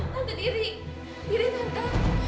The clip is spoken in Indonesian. tante diri diri tante